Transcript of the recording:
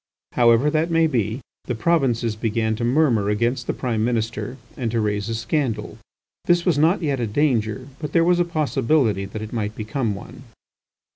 However that may be, the provinces began to murmur against the Prime Minister, and to raise a scandal. This was not yet a danger, but there was a possibility that it might become one.